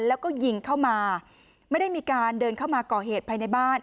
แล้วก็ยิงเข้ามาไม่ได้มีการเดินเข้ามาก่อเหตุภายในบ้าน